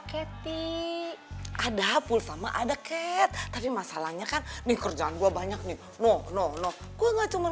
kety ada pulsa sama ada cat tapi masalahnya kan di kerjaan gua banyak nih no no no gua enggak cuman